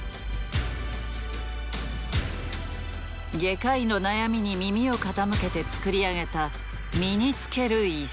外科医の悩みに耳を傾けて作り上げた身につける椅子。